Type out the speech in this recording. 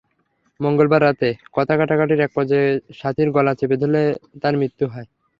মঙ্গবার রাতে কথা-কাটাকাটির একপর্যায়ে সাথীর গলা চেপে ধরলে তাঁর মৃত্যু হয়।